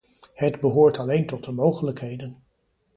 Het behoort alleen tot de mogelijkheden.